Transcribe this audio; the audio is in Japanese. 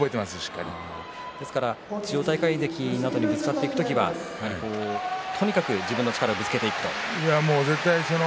ですから千代大海関にぶつかっていく時はとにかく自分の力をぶつけていくと。